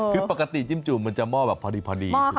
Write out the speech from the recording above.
คือปกติจิ้มจุ่มมันจะหม้อแบบพอดี